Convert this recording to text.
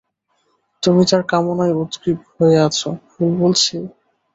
তুমি তার কামনায় উদগ্রীব হয়ে আছ, ভুল বলেছি?